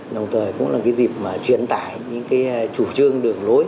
đồng thời cũng là một dịp chuyển tải những chủ trương đường lối